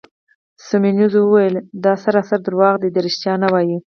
سیمونز وویل: دا سراسر درواغ دي، ریښتیا نه وایې.